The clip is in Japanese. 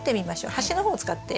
端の方を使って。